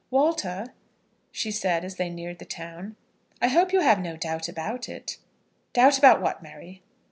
"Walter," she said, as they neared the town, "I hope you have no doubt about it." "Doubt about what, Mary?"